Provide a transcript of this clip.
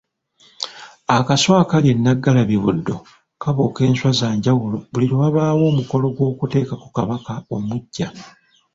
Akaswa akali e Nnaggalabi Buddo kabuuka enswa za njawulo buli lwe wabaawo omukolo gwokutekako kabaka omuggya.